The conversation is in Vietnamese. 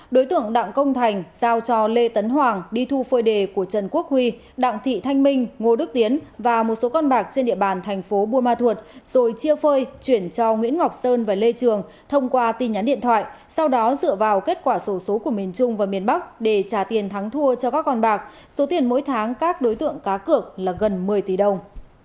đối tượng đặng công thành giao cho lê tấn hoàng đi thu phơi đề của trần quốc huy đặng thị thanh minh ngô đức tiến và một số con bạc trên địa bàn thành phố bùa ma thuột rồi chia phơi chuyển cho nguyễn ngọc sơn và lê trường thông qua tin nhắn điện thoại sau đó dựa vào kết quả số số của miền trung và miền bắc để trả tiền thắng thua cho các con bạc số tiền mỗi tháng các đối tượng cá cược là gần một mươi tỷ đồng